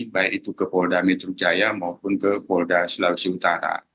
baik itu ke polda metro jaya maupun ke polda sulawesi utara